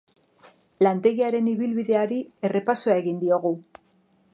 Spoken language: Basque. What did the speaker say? Lantegiaren ibilbideari errepasoa egin diogu.